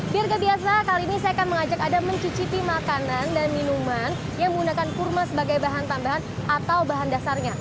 biar gak biasa kali ini saya akan mengajak anda mencicipi makanan dan minuman yang menggunakan kurma sebagai bahan tambahan atau bahan dasarnya